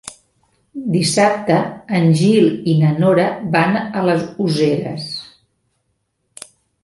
Dissabte en Gil i na Nora van a les Useres.